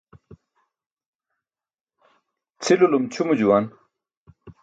Cʰilulum ćʰumo juwan.